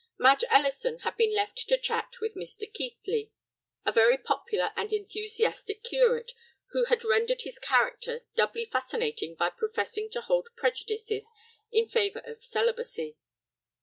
Madge Ellison had been left to chat with Mr. Keightly, a very popular and enthusiastic curate who had rendered his character doubly fascinating by professing to hold prejudices in favor of celibacy.